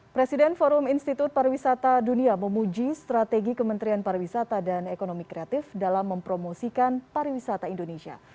presiden forum institut pariwisata dunia memuji strategi kementerian pariwisata dan ekonomi kreatif dalam mempromosikan pariwisata indonesia